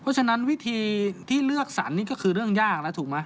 เพราะฉะนั้นวิธีที่เลือกสรรนี่ก็คือเรื่องยากแล้วถูกไหม